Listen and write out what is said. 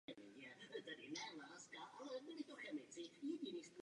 Spolupracuje s Pedagogickou fakultou Univerzity Karlovy.